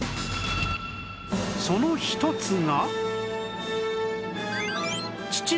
その一つが